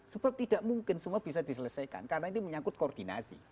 sebab tidak mungkin semua bisa diselesaikan karena ini menyangkut koordinasi